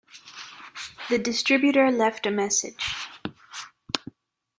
The distributor left a message.